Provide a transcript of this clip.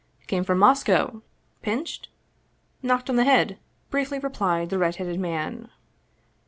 " Came from Moscow !" "Pinched?" " Knocked on the head !" briefly replied the red headed man.